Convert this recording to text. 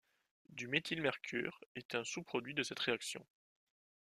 Du méthylmercure est un sous-produit de cette réaction.